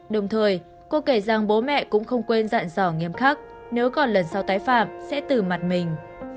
đồng thời cô kể rằng bố mẹ cũng không quên dặn dò nghiêm khắc nếu còn lần sau tái phạm sẽ từ mặt mình